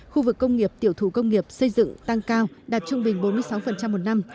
khu vực công nghiệp tiểu thủ công nghiệp xây dựng tăng cao đạt trung bình bốn mươi sáu một năm